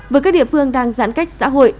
với các địa phương đang giãn cách xã hội